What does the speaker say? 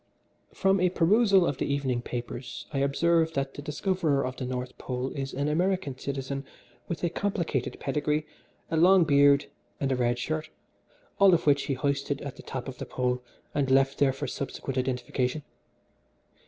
"From a perusal of the evening papers I observe that the discoverer of the North Pole is an American citizen with a complicated pedigree, a long beard and a red shirt, all of which he hoisted to the top of the Pole and left there for subsequent identification.